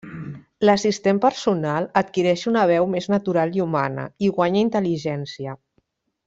L'assistent personal adquireix una veu més natural i humana, i guanya intel·ligència.